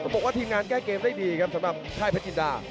บอกว่าทีมงานแก้เกมได้ดีครับสำหรับค่ายเพชรจินดา